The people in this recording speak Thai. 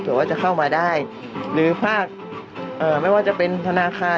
ว่าจะเข้ามาได้หรือภาคไม่ว่าจะเป็นธนาคาร